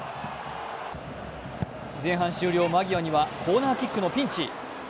前半終了間際にはコーナーキックのピンチ。